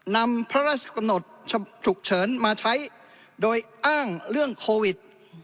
นำพระราชกำหนดฉุกเฉินมาใช้โดยอ้างเรื่องโควิด